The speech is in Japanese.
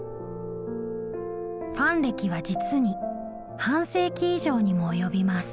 ファン歴は実に半世紀以上にも及びます。